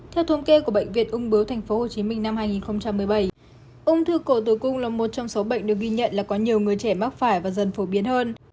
theo thống kê của bệnh viện ung bướu tp hcm năm hai nghìn một mươi bảy ung thư cổ tử cung là một trong số bệnh được ghi nhận là có nhiều người trẻ mắc phải và dần phổ biến hơn